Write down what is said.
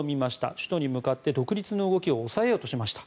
首都に向かって、独立の動きを抑えようとしました。